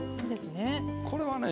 これはね